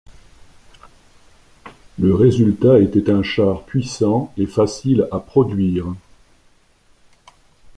Le résultat était un char puissant et facile à produire.